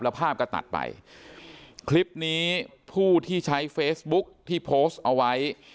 แล้วภาพก็ตัดไปคลิปนี้ผู้ที่ใช้เฟซบุ๊กที่โพสต์เอาไว้